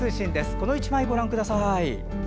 この１枚ご覧ください。